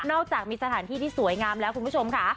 อกจากมีสถานที่ที่สวยงามแล้วคุณผู้ชมค่ะ